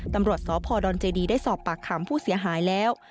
ตำรวจสพดเจดีได้สอบปากคำผู้เสียหายแล้ว